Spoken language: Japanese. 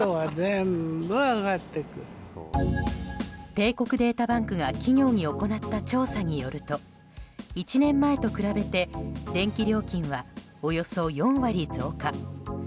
帝国データバンクが企業に行った調査によると１年前と比べて電気料金はおよそ４割増加。